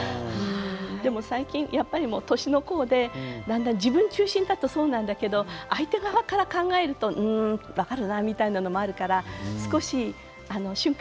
でも最近やっぱり年の功でだんだん自分中心だとそうなんだけど相手側から考えると分かるなみたいなこともあるから少し瞬間